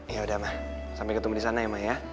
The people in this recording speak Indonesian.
yaudah ma sampai ketemu disana ya ma ya